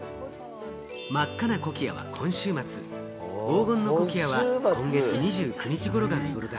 真っ赤なコキアは今週末、黄金のコキアは今月２９日ごろが見頃だ。